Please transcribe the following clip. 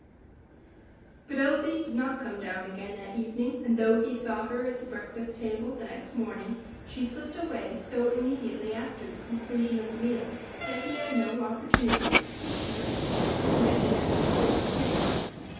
But Elsie did not come down again that evening, and though he saw her at the breakfast table the next morning, she slipped away so immediately after the conclusion of the meal, that he had no opportunity to speak to her; and at dinner it was just the same.